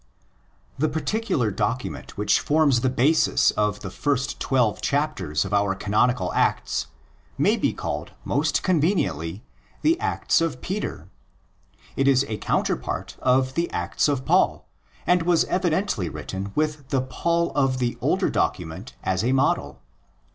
The particular document which forms the basis of the first twelve chapters of our canonical Acts may be called most conveniently the Acts of Peter (Περίοδοι or Πράξεις Πέτρου). It is a counterpart of the Acts of Paul, and was evidently written with the Paul of the older document as a model.